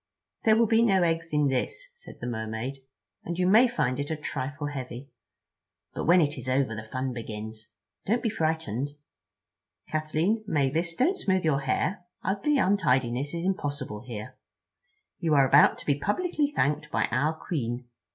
"There will be no eggs in this," said the Mermaid, "and you may find it a trifle heavy. But when it is over the fun begins. Don't be frightened, Kathleen—Mavis, don't smooth your hair. Ugly untidiness is impossible here. You are about to be publicly thanked by our Queen.